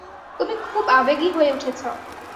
তুমি খুব আবেগি হয়ে উঠেছো।